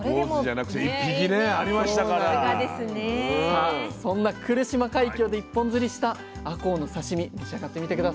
さあそんな来島海峡で一本釣りしたあこうの刺身召し上がってみて下さい。